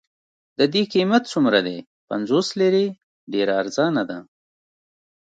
د دې قیمت څومره دی؟ پنځوس لیرې، ډېره ارزانه ده.